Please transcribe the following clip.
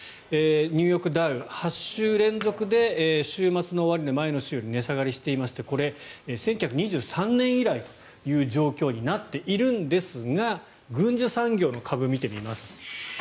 ニューヨークダウ８週連続で週末の終値前の週よりも値下がりしていましてこれは１９２３年以来だという状況になっているんですが軍需産業の株を見てみます。